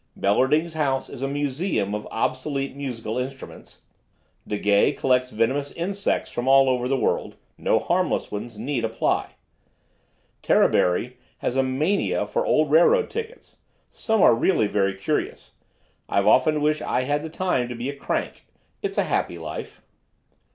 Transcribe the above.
Bellerding's house is a museum of obsolete musical instruments. De Gay collects venomous insects from all over the world; no harmless ones need apply. Terriberry has a mania for old railroad tickets. Some are really very curious. I've often wished I had the time to be a crank. It's a happy life."